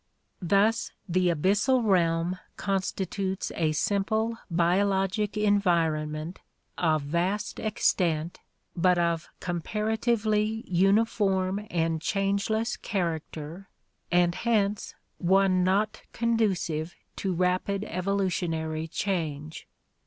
Thus the abyssal realm constitutes a simple biologic environ ment of vast extent but of comparatively uniform and changeless character and hence one not conducive to rapid evolutionary change.